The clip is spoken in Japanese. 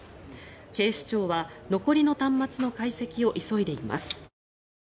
警視庁は残りの端末の解析を急いでいます。